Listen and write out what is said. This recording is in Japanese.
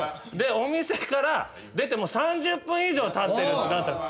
でお店から出て３０分以上たってる。